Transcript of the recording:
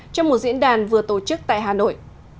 trong một diễn đàn vừa tổ chức tại hà nội